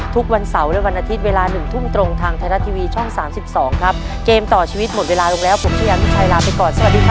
ทำงานก่อก็สร้างแต่ป้าม้าป่วย